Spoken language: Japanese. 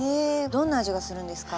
どんな味がするんですか？